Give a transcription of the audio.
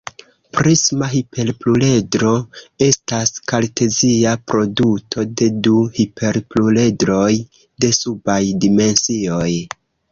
Prisma hiperpluredro estas kartezia produto de du hiperpluredroj de subaj dimensioj.